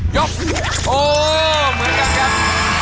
โชว์เหมือนกันครับ